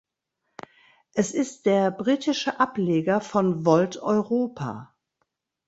Es ist der britische Ableger von Volt Europa.